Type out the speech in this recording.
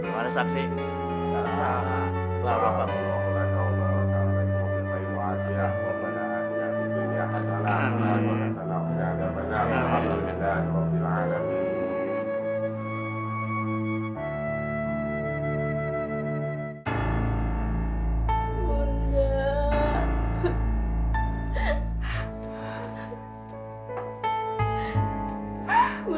bu tapi tunggu